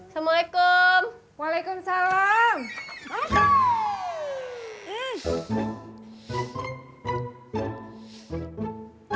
tidak ada yang mau nyasar